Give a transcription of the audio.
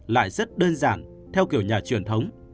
lại rất đơn giản theo kiểu nhà truyền thống